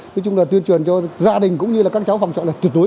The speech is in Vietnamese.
nói chung là tuyên truyền cho gia đình cũng như là các cháu phòng trọ là tuyệt đối